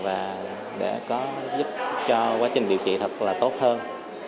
và để có giúp cho quá trình điều trị thật là tốt hơn